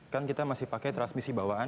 kan kita masih pakai transmisi bawaan